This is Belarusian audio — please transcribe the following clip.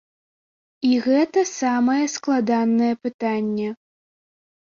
І гэта самае складанае пытанне.